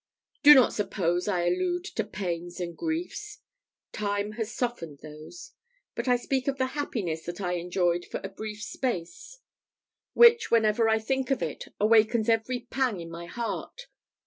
Do not suppose I allude to pains and griefs. Time has softened those; but I speak of the happiness that I enjoyed for a brief space, which, whenever I think of it, awakens every pang in my heart.